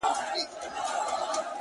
لمر چي د ميني زوال ووهي ويده سمه زه؛